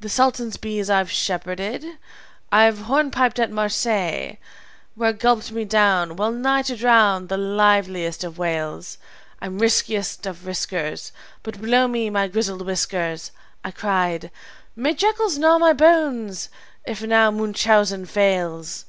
"'The sultan's bees I've shepherded. I've hornpiped at Marseilles, Where gulped me down, well nigh to drown, the liveliest of whales. I'm riskiest of riskers, But, blow my grizzled whiskers!' I cried, 'May jackals gnaw my bones if now Munchausen fails!'